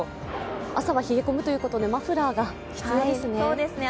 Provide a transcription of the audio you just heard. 麻は冷え込むということでマフラーが必要ですね。